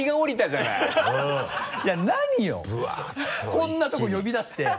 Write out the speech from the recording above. こんなとこ呼び出して。